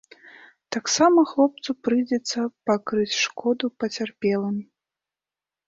Таксама хлопцу прыйдзецца пакрыць шкоду пацярпелым.